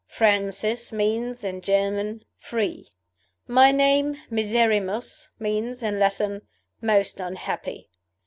'Francis' means, in German, 'free.' My name, 'Miserrimus,' means, in Latin, 'most unhappy.